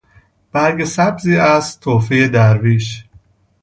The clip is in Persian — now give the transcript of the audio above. برگ سبزی است تحفهٔ درویش.